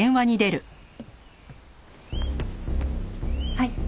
はい。